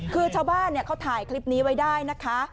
คือชาวบ้านเขาถ่ายคลิปนี้ไว้ได้นะคะ